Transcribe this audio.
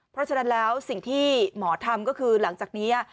เพราะฉะนั้นแล้วสิ่งที่หมอทำก็คือหลังจากนี้